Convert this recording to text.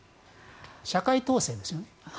社会統制ですね。